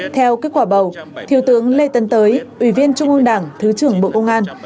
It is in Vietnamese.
theo kết quả bầu thiếu tướng lê tấn tới ủy viên trung ương đảng thứ trưởng bộ công an